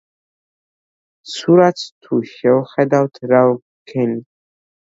სურათს თუ შევხედავთ, რა ვქენით?